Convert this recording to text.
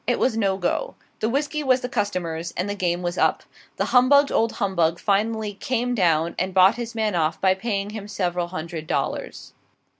It was no go, the whisky was the customer's, and the game was up. The humbugged old humbug finally "came down," and bought his man off by paying him several hundred dollars.